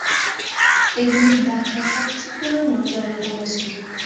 এগুলি ঢাকার সবচেয়ে পুরানো জলরং এর ছবি।